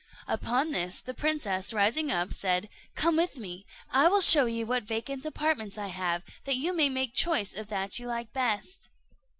Upon this the princess, rising up, said, "Come with me, I will show you what vacant apartments I have, that you may make choice of that you like best."